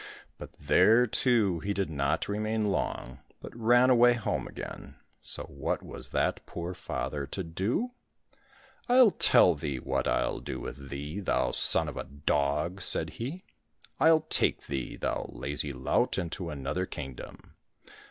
But there too he did not remain long, but ran away home again, so what was that poor father to do ?" I'll tell thee what I'll do with thee, thou son of a dog !" said he. "I'll take thee, thou lazy lout, into another kingdom.